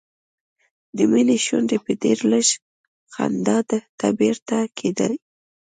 د مينې شونډې به ډېر لږ خندا ته بیرته کېدې